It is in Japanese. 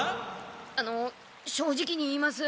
あの正直に言います。